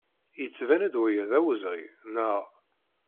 Yettban-d waya d awezɣi, naɣ?